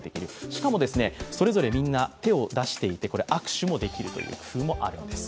しかも、それぞれみんな手を出していて握手もできるという工夫もあるんです。